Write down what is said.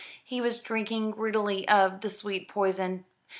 He was drinking greedily of the sweet poison.